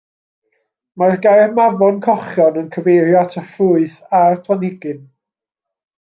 Mae'r gair mafon cochion yn cyfeirio at y ffrwyth a'r planhigyn.